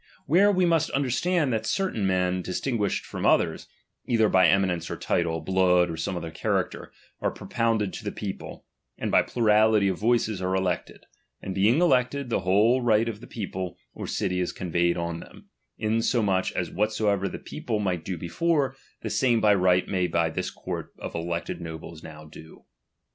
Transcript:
Where we must understand that certain men dis tinguished from others, either by eminence of title, blood, or some other character, are propounded to the people, and by plurality of voices are elected; and being elected, the whole right of the people or city is conveyed on them, insomuch as whatsoever the people might do before, the same by right may this court of elected nobles now do.